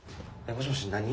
もしもし何？